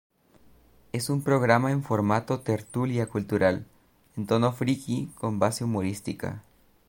Es un programa en formato tertulia cultural, en tono "friki" con base humorística.